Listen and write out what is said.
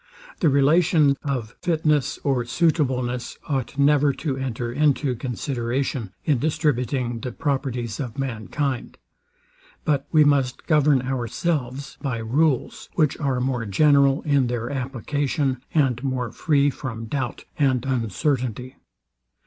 The relation of fitness or suitableness ought never to enter into consideration, in distributing the properties of mankind; but we must govern ourselves by rules, which are more general in their application, and more free from doubt and uncertainty.